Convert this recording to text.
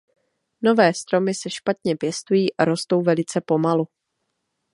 Nové stromy se špatně pěstují a rostou velice pomalu.